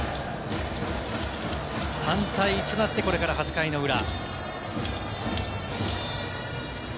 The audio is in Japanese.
３対１となって、これから８回の裏。